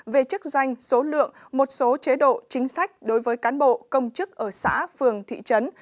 về chức danh số lượng một số chế độ chính sách đối với cán bộ công chức ở xã phường thị trấn